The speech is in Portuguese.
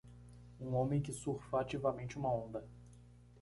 Um homem que surfa ativamente uma onda.